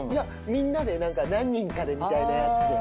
みんなで何人かでみたいなやつ。